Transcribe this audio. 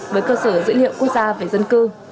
với cơ sở dữ liệu quốc gia về dân cư